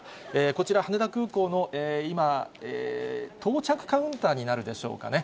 こちら、羽田空港の今、到着カウンターになるでしょうかね。